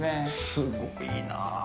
すごいなぁ。